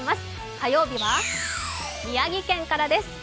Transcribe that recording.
火曜日は宮城県からです。